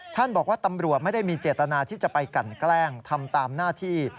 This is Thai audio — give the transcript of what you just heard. บอกว่าตำรวจไม่ได้มีเจตนาที่จะไปกันแกล้งทำตามหน้าที่